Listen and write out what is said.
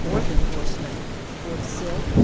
th Endorsement, Fort Sill, O.